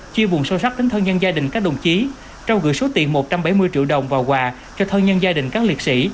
chia buồn sâu sắc đến thân nhân gia đình các đồng chí trao gửi số tiền một trăm bảy mươi triệu đồng và quà cho thân nhân gia đình các liệt sĩ